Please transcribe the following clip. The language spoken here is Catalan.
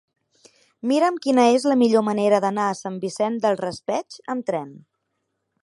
Mira'm quina és la millor manera d'anar a Sant Vicent del Raspeig amb tren.